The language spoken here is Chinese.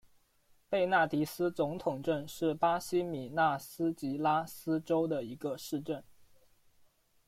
贝纳迪斯总统镇是巴西米纳斯吉拉斯州的一个市镇。